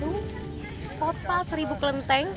dan itu kota seribu kelentung